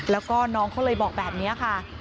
แล้วก็น้องเขาเลยบอกแบบนี้ค่ะ